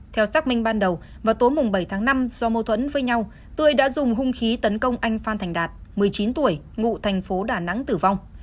theo xác minh ban đầu vào tối bảy tháng năm do mâu thuẫn với nhau tươi đã dùng hung khí tấn công anh phan thành đạt một mươi chín tuổi ngụ thành phố đà nẵng tử vong